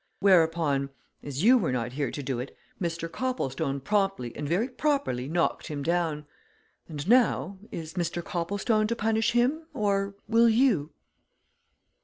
Whereupon as you were not here to do it Mr. Copplestone promptly and very properly knocked him down. And now is Mr. Copplestone to punish him or will you?"